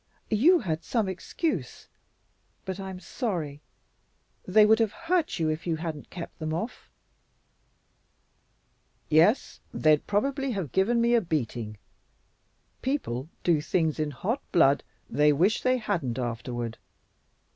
"You had some excuse, but I'm sorry. They would have hurt you if you hadn't kept them off." "Yes, they'd probably have given me a beating. People do things in hot blood they wish they hadn't afterward.